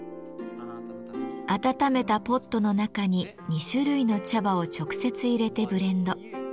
温めたポットの中に２種類の茶葉を直接入れてブレンド。